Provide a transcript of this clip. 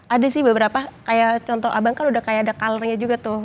ada sih beberapa kayak contoh abang kan udah kayak ada colornya juga tuh